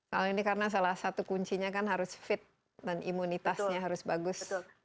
kalau ini karena salah satu kuncinya kan harus fit dan imunitasnya harus bagus